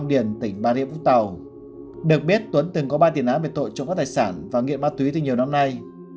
điển tỉnh ba rịa vũ tàu được biết tuấn từng có ba tiền áo biệt tội trộm các tài sản và nghiện ma túy từ nhiều năm nay